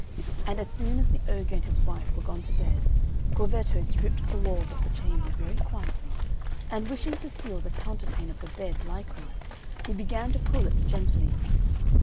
And as soon as the ogre and his wife were gone to bed, Corvetto stripped the walls of the chamber very quietly, and wishing to steal the counterpane of the bed likewise, he began to pull it gently.